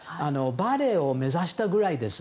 バレエを目指したぐらいです。